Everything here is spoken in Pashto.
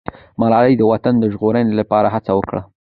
ملالۍ د وطن د ژغورنې لپاره هڅه وکړه.